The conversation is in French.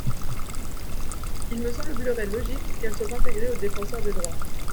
Il me semblerait logique qu’elle soit intégrée au Défenseur des droits.